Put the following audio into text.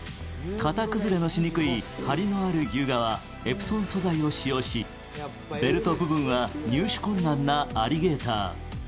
型崩れのしにくい張りのある牛革、エプソン素材を使用し、ベルト部分は入手困難なアリゲーター。